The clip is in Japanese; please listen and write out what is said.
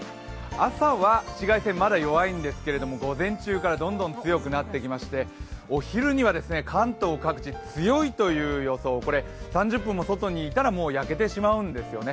朝は紫外線まだ弱いんですけど午前中からどんどん強くなっていきましてお昼には関東各地強いという予想、これ３０分も外にいたら焼けてしまうんですよね。